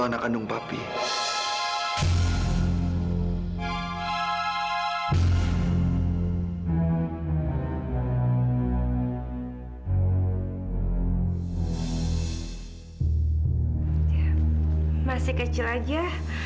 anak kamu ini anak aku juga